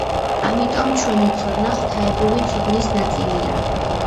ამიტომ ჩვენი ცოდნა ღვთაებრივი ცოდნის ნაწილია.